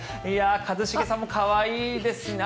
一茂さんも可愛いですね。